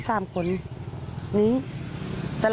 โอเค